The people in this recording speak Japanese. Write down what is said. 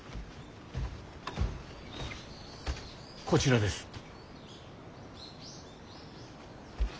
こちらです。